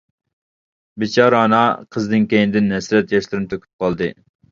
بىچارە ئانا قىزىنىڭ كەينىدىن ھەسرەت ياشلىرىنى تۆكۈپ قالدى.